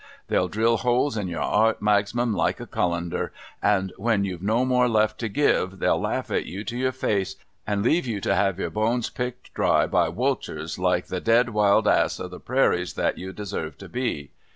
They'll drill holes in your 'art, Magsman, like a Cullender. And when you've no more left to give, they'll laugh at you to your face, and leave you to have your bones picked dry by Wulturs, like the dead Wild Ass of the Prairies that you deserve to be